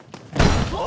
お！